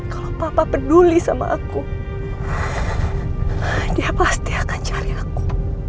kalau papa peduli sama aku dia pasti akan cari aku